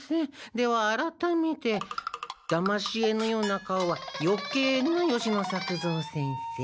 ではあらためてだまし絵のような顔はよけいな吉野作造先生。